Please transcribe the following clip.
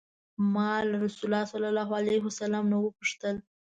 ما له رسول الله صلی الله علیه وسلم نه وپوښتل.